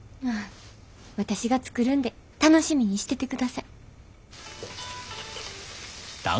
私が作るんで楽しみにしててください。